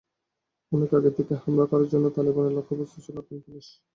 অনেক আগে থেকে হামলা করার জন্য তালেবানের লক্ষ্যবস্তু ছিল আফগান পুলিশ।